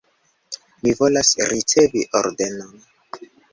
Mi volas ricevi ordenon.